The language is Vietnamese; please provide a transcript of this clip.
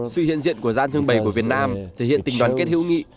sự hiện diện của gian trưng bày của việt nam thể hiện tình đoàn kết hữu nghị